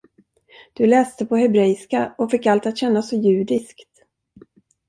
Du läste på hebreiska och fick allt att kännas så judiskt.